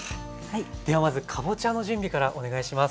ではまずかぼちゃの準備からお願いします。